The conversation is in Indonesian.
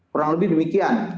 kurang lebih demikian